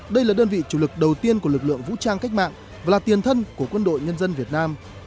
đây là đơn vị chủ lực đầu tiên của lực lượng vũ trang cách mạng và tiền thân của quân đội nhân dân việt nam